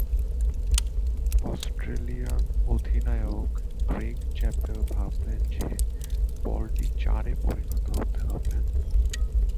অস্ট্রেলীয় অধিনায়ক Greg Chappell ভাবলেন যে বলটি চারে পরিণত হবে।